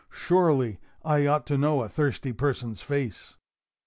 Surely I ought to know a thirsty person's face!"